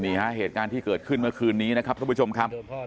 เหตุการณ์ที่เกิดขึ้นเมื่อคืนนี้นะครับทุกผู้ชมครับ